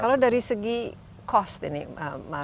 kalau dari segi cost ini mas menteri